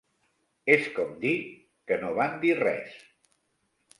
Es com dir que no van dir res.